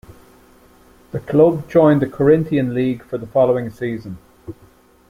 The club joined the Corinthian League for the following season.